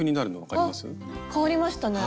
変わりましたね。